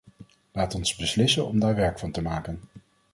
Laat ons beslissen om daar werk van te maken.